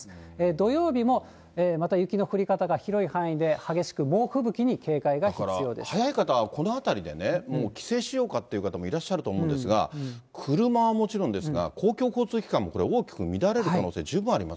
土曜日も、また雪の降り方が広い範囲で激しく、早い方は、このあたりでね、帰省しようかっていう方もいらっしゃると思うんですが、車はもちろんですが、公共交通機関もこれ、大きく乱れる可能性、十分ありま